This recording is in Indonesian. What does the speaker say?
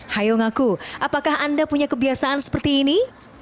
hayo ngaku apakah anda punya kebiasaan seperti ini